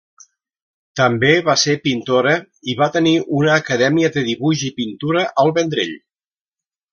També va ser pintora i va tenir una acadèmia de dibuix i pintura al Vendrell.